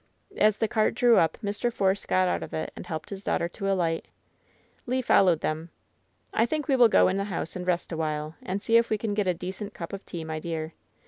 As the cart drew up Mr. Force got out of it and helped his daughter to alight. Le followed them. "I think we will go in the house and rest a while, and see if we can get a decent cup of tea, my dear.